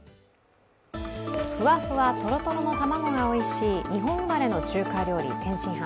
ふわふわ、とろとろの玉子がおいしい日本生まれの中華料理、天津飯。